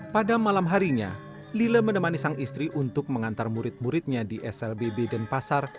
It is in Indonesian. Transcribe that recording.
pada malam harinya lila menemani sang istri untuk mengantar murid muridnya di slbb denpasar